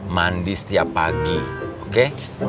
mandi setiap pagi oke